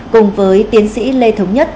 cùng với tiến sĩ lê thống nhất